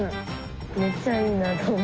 めっちゃいいなと思います。